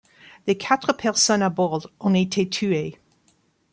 Les quatre personnes à bord ont été tuées.